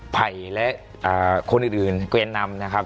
ไผ่และคนอื่นเกวียนนำนะครับ